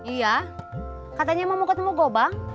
iya katanya mau ketemu gue bang